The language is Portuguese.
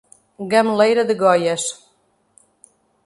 Gameleira de Goiás